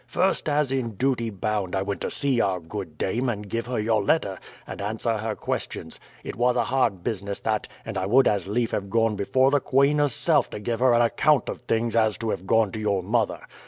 First, as in duty bound, I went to see our good dame and give her your letter, and answer her questions. It was a hard business that, and I would as lief have gone before the queen herself to give her an account of things as to have gone to your mother.